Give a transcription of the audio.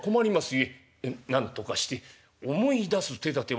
ゆえなんとかして思い出す手だてはござりませぬか」。